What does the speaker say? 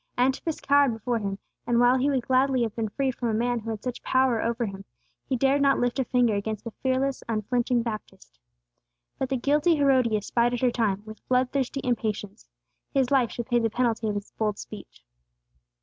Antipas cowered before him; and while he would gladly have been freed from a man who had such power over him, he dared not lift a finger against the fearless, unflinching Baptist. But the guilty Herodias bided her time, with blood thirsty impatience; his life should pay the penalty of his bold speech.